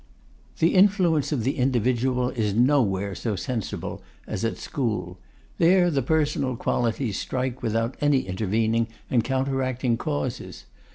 The influence of the individual is nowhere so sensible as at school. There the personal qualities strike without any intervening and counteracting causes.